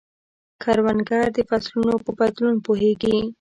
کروندګر د فصلونو په بدلون پوهیږي